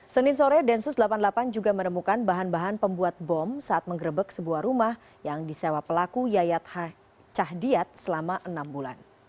senin sore densus delapan puluh delapan juga menemukan bahan bahan pembuat bom saat menggerebek sebuah rumah yang disewa pelaku yayat cahdiat selama enam bulan